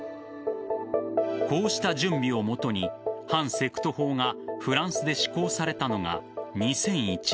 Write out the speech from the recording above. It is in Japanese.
こうした準備をもとに反セクト法がフランスで施行されたのが２００１年。